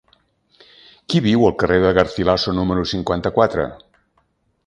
Qui viu al carrer de Garcilaso número cinquanta-quatre?